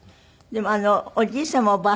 でもおじい様おばあ様